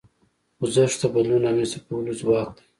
خوځښت د بدلون رامنځته کولو ځواک دی.